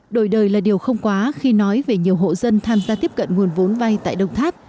đổi đời là điều không quá khi nói về nhiều hộ dân tham gia tiếp cận nguồn vốn vay tại đồng tháp